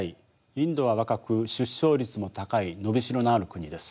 インドは若く出生率も高い伸びしろのある国です。